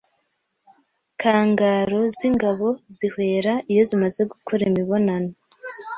kangaroo z’ingabo zihwera iyo zimaze gukora imibonano